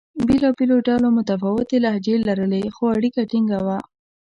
بېلابېلو ډلو متفاوتې لهجې لرلې؛ خو اړیکه ټینګه وه.